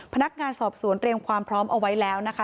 พนักงานสอบสวนเตรียมความพร้อมเอาไว้แล้วนะคะ